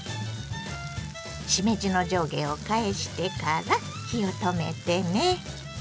しめじの上下を返してから火を止めてね。